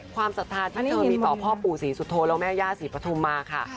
ศรัทธาที่เธอมีต่อพ่อปู่ศรีสุโธและแม่ย่าศรีปฐุมมาค่ะ